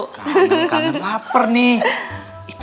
kangen kangen lapar nih